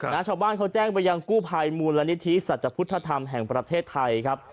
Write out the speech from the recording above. ชาวบ้านเขาแจ้งไปยังกู้ภัยมูลนิธิสัจพุทธธรรมแห่งประเทศไทยครับ